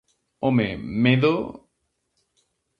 Home, medo...